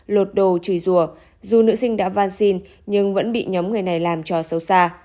lột đồ trừ rùa dù nữ sinh đã van xin nhưng vẫn bị nhóm người này làm cho sâu xa